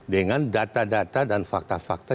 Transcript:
dengan data data dan fakta fakta